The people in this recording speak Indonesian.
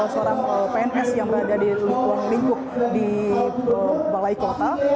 seorang pns yang berada di lingkungan lingkuk di balai kota